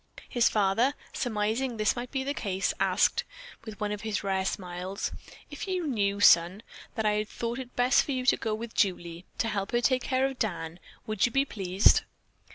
His father, surmising that this might be the case, asked, with one of his rare smiles: "If you knew, son, that I thought it best for you to go with Julie, to help her take care of Dan, would you be pleased?"